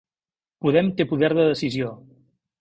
Podem té poder de decisió